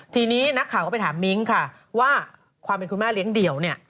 ทีนี้นักข่าวก็ไปถามมิ้งค่ะว่าความเป็นคุณแม่เลี้ยงเดี่ยวเนี่ย